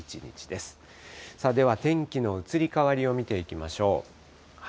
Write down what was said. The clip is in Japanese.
では、天気の移り変わりを見ていきましょう。